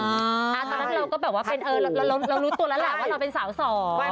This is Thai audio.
ตอนนั้นเรารู้ตัวแล้วแหละว่าเราเป็นสาวสอบ